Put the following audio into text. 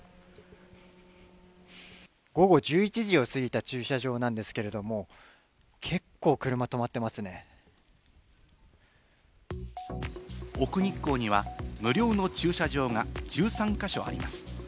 午後１１時を過ぎた駐車場なんですけれども、奥日光には無料の駐車場が１３か所あります。